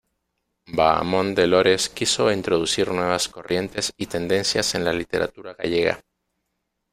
Vaamonde Lores quiso introducir nuevas corrientes y tendencias en la literatura gallega.